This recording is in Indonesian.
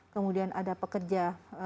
kemudian ada pekerja